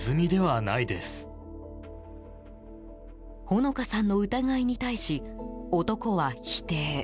穂野香さんの疑いに対し男は否定。